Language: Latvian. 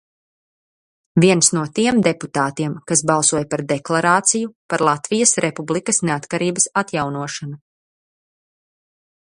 "Viens no tiem deputātiem, kas balsoja par deklarāciju "Par Latvijas Republikas neatkarības atjaunošanu"."